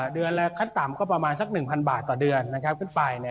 เดือนละขั้นต่ำก็ประมาณสัก๑๐๐บาทต่อเดือนขึ้นไป